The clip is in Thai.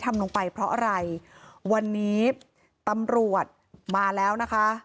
ทำลงไปเพราะอะไรวันนี้ตำรวจมาแล้วนะคะ